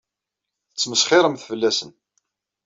Tettmesxiṛemt fell-asen.